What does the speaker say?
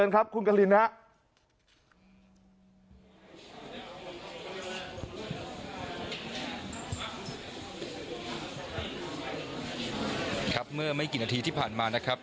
ครับเมื่อไม่กี่นาทีที่ผ่านมานะครับ